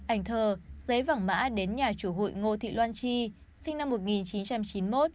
ảnh thờ giấy vàng mã đến nhà chủ hụi ngô thị loan chi sinh năm một nghìn chín trăm chín mươi một